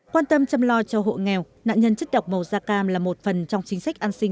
quan tâm chăm lo cho hộ nghèo nạn nhân chất độc màu da cam là một phần trong chính sách an sinh